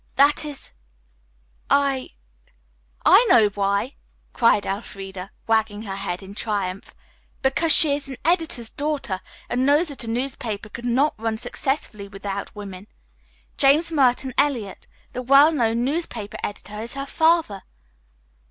"That is I " "I know why!" cried Elfreda, wagging her head in triumph. "Because she is an editor's daughter and knows that a newspaper could not run successfully without women. James Merton Eliot, the well known newspaper editor, is her father."